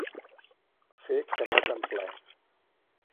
Fer Canet en ple.